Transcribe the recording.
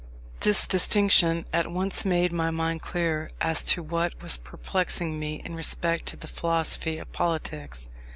This distinction at once made my mind clear as to what was perplexing me in respect to the philosophy of politics.